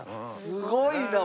すごいな！